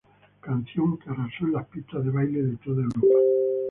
Canción que arrasó en pistas de baile por toda Europa.